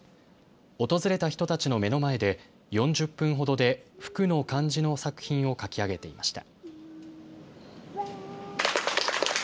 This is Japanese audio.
訪れた人たちの目の前で４０分ほどで福の漢字の作品を書き上げていました。